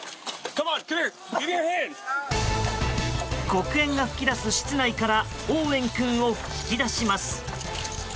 黒煙が噴き出す室内からオーウェン君を引き出します。